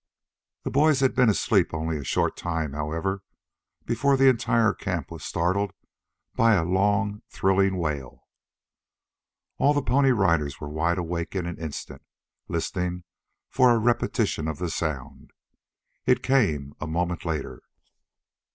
The boys had been asleep only a short time, however, before the entire camp was startled by a long, thrilling wail. All the Pony Riders were wide awake in an instant, listening for a repetition of the sound. It came a moment later.